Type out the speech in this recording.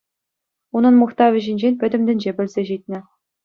Унӑн мухтавӗ ҫинчен пӗтӗм тӗнче пӗлсе ҫитнӗ.